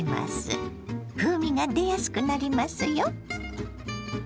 風味が出やすくなりますよ。